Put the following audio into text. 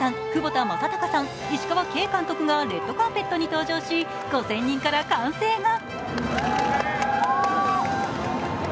窪田正孝さん、石川慶監督がレッドカーペットに登場し５０００人から歓声が。